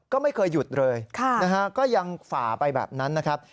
ก็ไม่เคยหยุดเลยนะฮะก็ยังฝ่าไปแบบนั้นนะครับ